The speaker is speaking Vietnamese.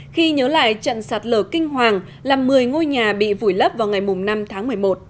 khi nhớ lại trận sạt lở kinh hoàng làm một mươi ngôi nhà bị vùi lấp vào ngày năm tháng một mươi một